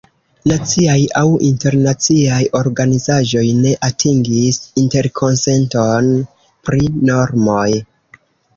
Naciaj aŭ internaciaj organizaĵoj ne atingis interkonsenton pri normoj.